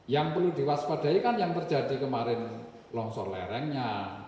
yang perlu diwaspadai kan yang terjadi kemarin longsor lerengnya